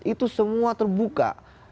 itu semua terbuka